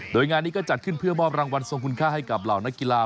โดยงานนี้ก็จัดขึ้นเพื่อมอบรางวัลทรงคุณค่าให้กับเหล่านักกีฬา